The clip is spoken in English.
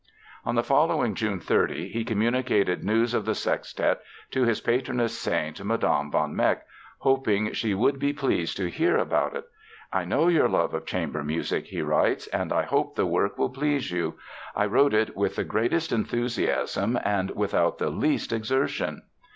On the following June 30 he communicated news of the sextet to his patroness saint Mme. von Meck, hoping she would be "pleased to hear" about it. "I know your love of chamber music," he writes, "and I hope the work will please you. I wrote it with the greatest enthusiasm and without the least exertion."